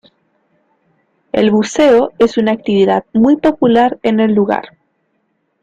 El buceo es una actividad muy popular en el lugar.